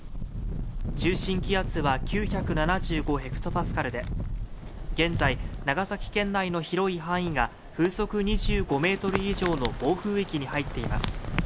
中心気圧は９７５ｈＰａで現在長崎県内の広い範囲が風速２５メートル以上の暴風域に入っています